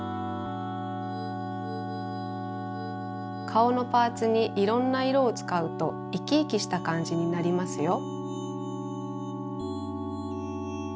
かおのパーツにいろんないろをつかうといきいきしたかんじになりますよ。